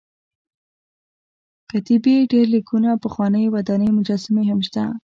کتیبې ډبر لیکونه پخوانۍ ودانۍ مجسمې هم شته.